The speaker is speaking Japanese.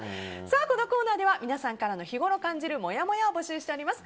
このコーナーでは皆さんからの日ごろ感じるもやもやを募集しています。